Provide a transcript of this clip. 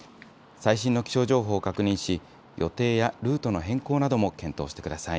最新の気象情報を確認し予定やルートの変更なども検討してください。